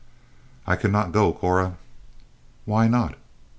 "I could not go, Cora." "Why not?"